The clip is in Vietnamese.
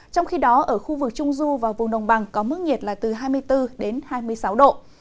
trong khi đó ở khu vực trung du và vùng đồng bằng có mức nhiệt là từ hai mươi bốn đến hai mươi sáu độ